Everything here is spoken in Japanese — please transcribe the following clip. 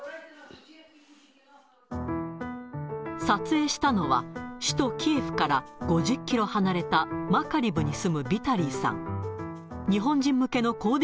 撮影したのは、首都キエフから５０キロ離れたマカリブに住むビタリーさん。